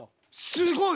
すごい！